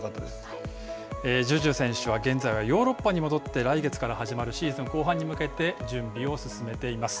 Ｊｕｊｕ選手は現在はヨーロッパに戻って来月から始まるシーズン後半に向けて準備を進めています。